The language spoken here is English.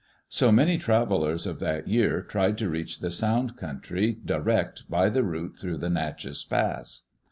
So many travelers of that year tried to reach the Sound country direct by the route through the Nachess Pass.